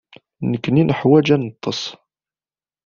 Nekkni neḥwaj ad neṭṭes.